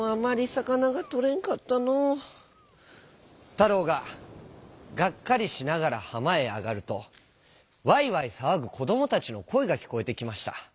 たろうががっかりしながらはまへあがるとわいわいさわぐこどもたちのこえがきこえてきました。